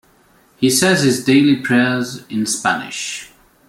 He says his daily prayers in Spanish.